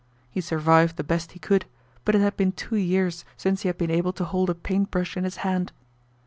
He survived the best he could, but it had been two years since he had been able to hold a paint brush in his hand.